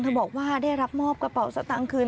เธอบอกว่าได้รับมอบกระเป๋าตังคืน